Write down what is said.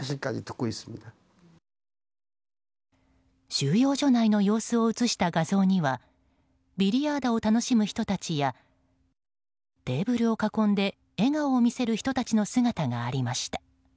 収容所内の様子を写した画像にはビリヤードを楽しむ人たちやテーブルを囲んで笑顔を見せる人たちの姿がありました。